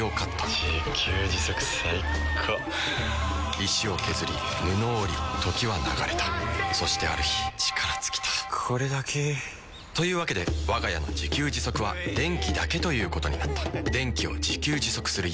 石を削り布を織り時は流れたそしてある日力尽きたこれだけ。というわけでわが家の自給自足は電気だけということになった電気を自給自足する家。